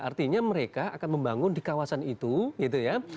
artinya mereka akan membangun di kawasan itu gitu ya